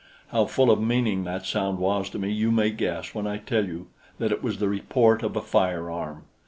How full of meaning that sound was to me you may guess when I tell you that it was the report of a firearm!